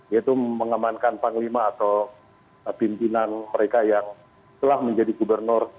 yaitu mengamankan panglima atau pimpinan mereka yang telah menjadi gubernur